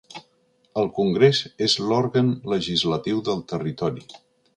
El Congrés és l'òrgan legislatiu del Territori.